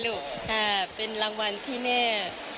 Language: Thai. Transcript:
ปลื้มมากเลยลูกเป็นรางวัลที่แม่